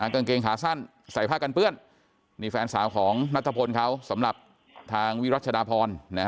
กางเกงขาสั้นใส่ผ้ากันเปื้อนนี่แฟนสาวของนัทพลเขาสำหรับทางวิรัชดาพร